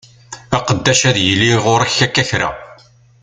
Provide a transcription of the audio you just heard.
Aqeddac ad yili ɣur-k akka kra.